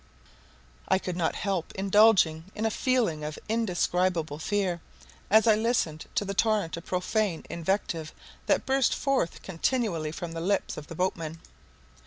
I could not help indulging in a feeling of indescribable fear, as I listened to the torrent of profane invective that burst forth continually from the lips of the boatman.